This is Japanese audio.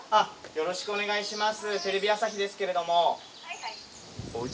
よろしくお願いします。